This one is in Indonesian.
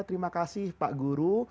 terima kasih pak guru